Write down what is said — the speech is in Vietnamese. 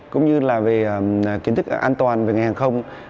cũng như là về kiến thức an toàn về ngành hàng không